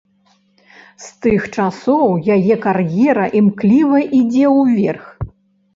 З тых часоў яе кар'ера імкліва ідзе ўверх.